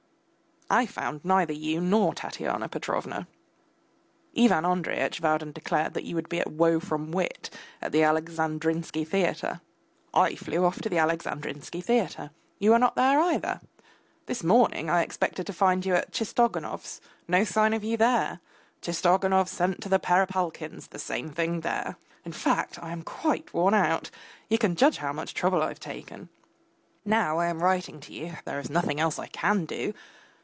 I found neither you, nor Tatyana Petrovna. Ivan Andreyitch vowed and declared that you would be at Woe from Wit, at the Alexandrinsky theatre. I flew off to the Alexandrinsky theatre: you were not there either. This morning I expected to find you at Tchistoganov's no sign of you there. Tchistoganov sent to the Perepalkins' the same thing there. In fact, I am quite worn out; you can judge how much trouble I have taken! Now I am writing to you (there is nothing else I can do).